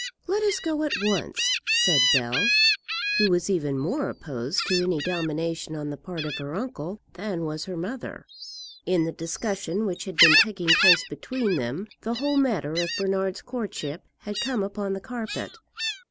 "Let us go at once," said Bell, who was even more opposed to any domination on the part of her uncle than was her mother. In the discussion which had been taking place between them the whole matter of Bernard's courtship had come upon the carpet.